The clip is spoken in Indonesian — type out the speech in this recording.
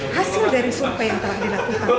hasil dari survei yang telah dilakukan oleh perbatasan